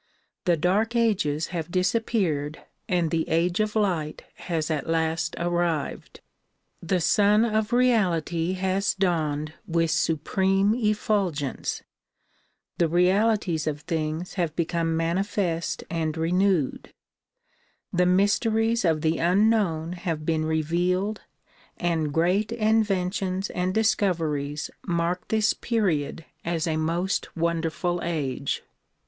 the dark ages have disappeared and the age of light has at last arrived. The Sun of Keality has dawned with supreme effulgence, the realities of things have become manifest and renewed, the mysteries of the unknown have been revealed and great inventions and discoveries mark this period as a most wonderful age.